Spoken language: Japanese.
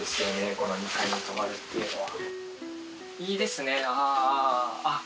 この２階に泊まるっていうのは。